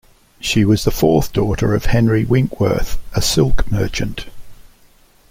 She was the fourth daughter of Henry Winkworth, a silk merchant.